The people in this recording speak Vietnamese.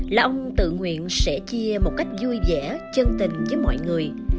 là ông tự nguyện sẻ chia một cách vui vẻ chân tình với mọi người